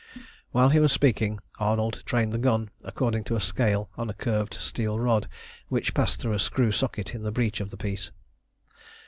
While he was speaking, Arnold trained the gun according to a scale on a curved steel rod which passed through a screw socket in the breech of the piece.